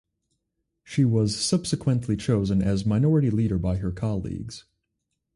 She was subsequently chosen as Minority Leader by her colleagues.